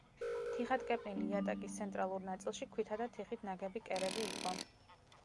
თიხატკეპნილი იატაკის ცენტრალურ ნაწილში ქვითა და თიხით ნაგები კერები იყო.